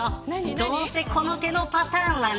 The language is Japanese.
どうせこの手のパターンはね